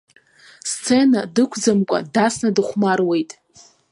Сцена дықәӡамкәа дасны дыхәмаруеит.